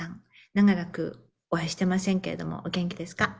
長らくお会いしてませんけれどもお元気ですか？